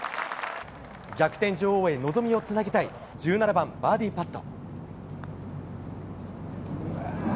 逆転女王へ望みをつなぎたい１７番、バーディーパット。